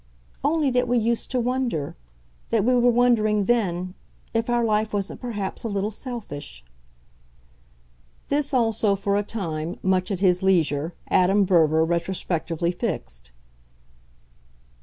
"Only that we used to wonder that we were wondering then if our life wasn't perhaps a little selfish." This also for a time, much at his leisure, Adam Verver retrospectively fixed.